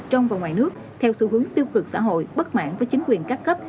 trong và ngoài nước theo xu hướng tiêu cực xã hội bất mãn với chính quyền các cấp